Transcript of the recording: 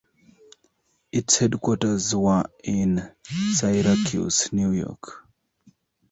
Its headquarters were in Syracuse, New York.